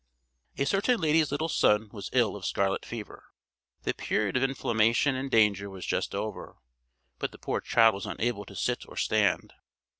A certain lady's little son was ill of scarlet fever. The period of inflammation and danger was just over, but the poor child was unable to sit or stand.